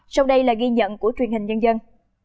sau đây là ghi nhận của truyền hình nhân dân